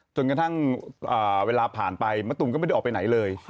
จนกระทั่งเวลาผ่านไปมะตูมก็ไม่ได้ออกไปไหนเลย